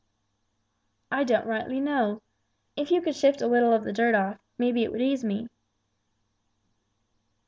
"I don't rightly know. If you could shift a little of the earth off, may be it would ease me!"